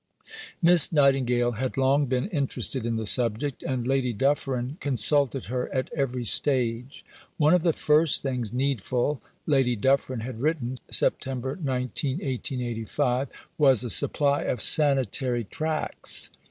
Miss Nightingale had long been interested in the subject, and Lady Dufferin consulted her at every stage. One of the first things needful, Lady Dufferin had written (Sept. 19, 1885), was a supply of Sanitary Tracts.